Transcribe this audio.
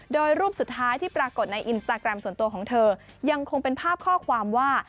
โดยรูปสุดท้ายที่ปรากฏในอินสตาแกรมส่วนตัวของเธอยังคงเป็นภาพข้อความว่า